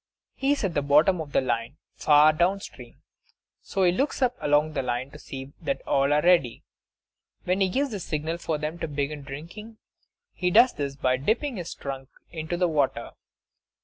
He is at the bottom of the line, far down stream; so he looks up along the line to see that all are ready. Then he gives the signal for them to begin drinking; he does this by dipping his trunk into the water.